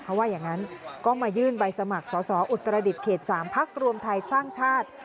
เขาว่าอย่างนั้นก็มายื่นใบสมัครสอสออุตรดิษฐ์เขต๓พักรวมไทยสร้างชาติ